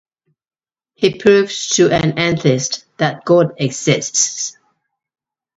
He proved to an atheist that God exists.